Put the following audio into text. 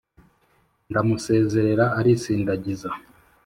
ndamusezerera arisindagiza.